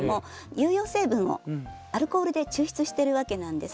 有用成分をアルコールで抽出してるわけなんです。